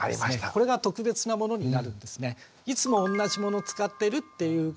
これが特別なものになるんですね。